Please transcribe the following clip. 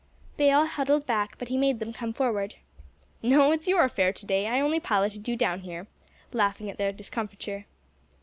They all huddled back, but he made them come forward. "No, it's your affair to day; I only piloted you down here," laughing at their discomfiture.